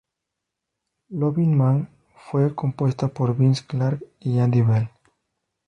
Loving Man fue compuesta por Vince Clarke y Andy Bell.